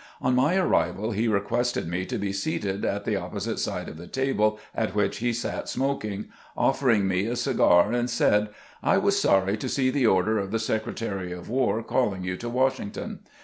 On my arrival, he requested me to be seated at the opposite side of the table at which he sat smoking, offered me a cigar, and said :" I was sorry to see the order of the Secretary of War calling you to Washington.